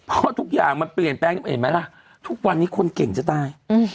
เพราะว่าทุกอย่างมันเปลี่ยนเป็นเนี่ยเห็นไหมละทุกวันนี้คนเก่งจะได้